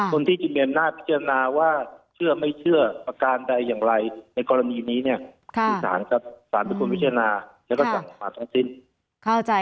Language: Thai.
คนที่ฯมียนต์น่าพิจารณาว่าเชื่อไม่เชื่อประการใดอย่างไรในกรณีนี้เนี่ย